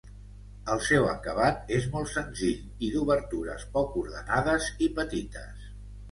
El seu acabat és molt senzill i d'obertures poc ordenades i petites.